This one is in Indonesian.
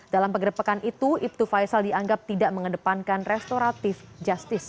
dalam penggerbekan itu ibtu faisal dianggap tidak mengedepankan restoratif justice